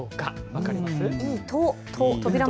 分かりますか。